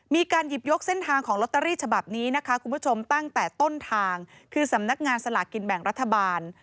มีการหยิบยกเส้นทางของลอตเตอรี่ฉบับนี้นะคะคุณผู้ชมตั้งแต่ต้นทางคือสำนักงานสลากกินแบ่งรัฐบาล